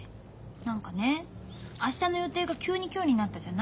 何かね明日の予定が急に今日になったじゃない？